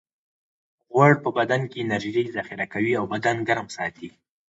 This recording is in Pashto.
غوړ په بدن کې انرژي ذخیره کوي او بدن ګرم ساتي